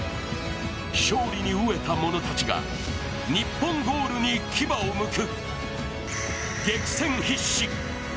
勝利に飢えた者たちが日本ゴールに牙をむく。